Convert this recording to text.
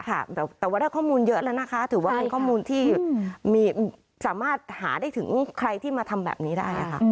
แต่ว่าได้ข้อมูลเยอะแล้วนะคะถือว่าเป็นข้อมูลที่สามารถหาได้ถึงใครที่มาทำแบบนี้ได้ค่ะ